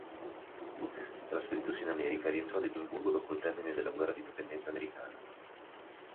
Trasferitosi in America rientrò ad Edimburgo dopo il termine della Guerra di indipendenza americana.